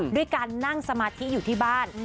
ด้วยการนั่งสมาธิอยู่ที่บ้าน